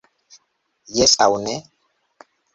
Jes aŭ ne!